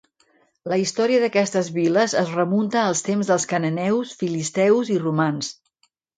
La història d'aquestes viles es remunta al temps dels cananeus, filisteus i romans.